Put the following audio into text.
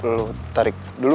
lo tarik dulu